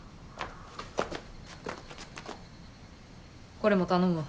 これも頼むわ。